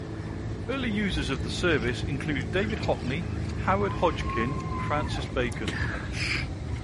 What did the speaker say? Early users of the service included David Hockney, Howard Hodgkin and Francis Bacon.